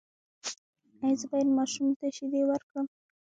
ایا زه باید ماشوم ته شیدې ورکړم؟